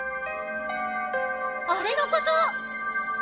あれのこと！